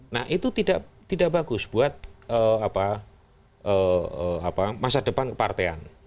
nah itu tidak bagus buat masa depan kepartean